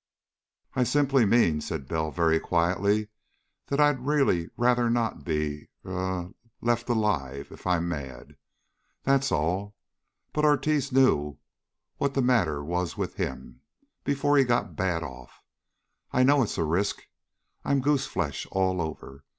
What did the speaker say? "I simply mean," said Bell very quietly, "that I'd really rather not be er left alive if I'm mad. That's all. But Ortiz knew what was the matter with him before he got bad off. I know it's a risk. I'm goose flesh all over.